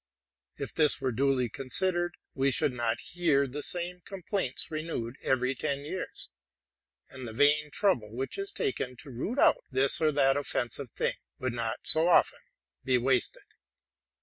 If this were duly considered, we should not hear the same complaints renewed every ten years; and the vain trouble which is taken to root out this or that offensive thing would not so often be wasted.